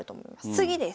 次です。